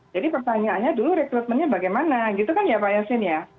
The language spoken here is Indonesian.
jadi pertanyaannya dulu rekrutmennya bagaimana gitu kan ya pak yasin ya